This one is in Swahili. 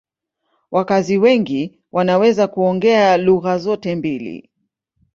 Wakazi wengi wanaweza kuongea lugha zote mbili.